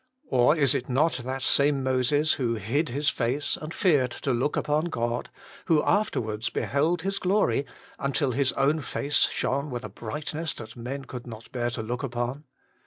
Or is it not that same Moses 60 HOLY IN CHRIST. who hid his face and feared to look upon God, who afterwards beheld His glory until his own face shone with a brightness that men could not bear to look upon